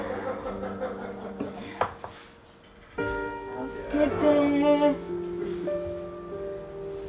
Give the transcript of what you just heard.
助けて。